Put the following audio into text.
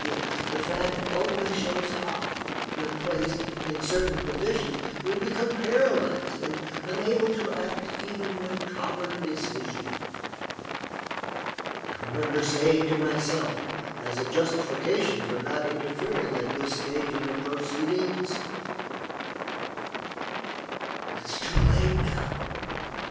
The fact only shows how, when placed in certain positions, we become paralyzed, and unable to act even with common decision. I remember saying to myself, as a justification for not interfering at this stage of the proceedings "It is too late now.